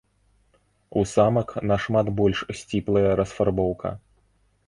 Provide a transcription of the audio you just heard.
У самак нашмат больш сціплая расфарбоўка.